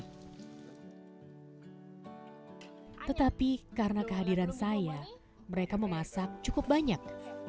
tetapi karena kehadiran saya mereka memasak cukup banyak